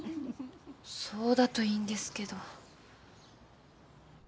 そうだといいんですけど。